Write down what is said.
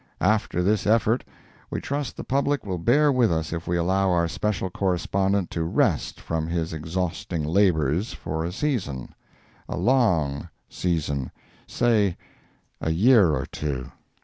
After this effort, we trust the public will bear with us if we allow our special correspondent to rest from his exhausting labors for a season—a long season—say a year or two.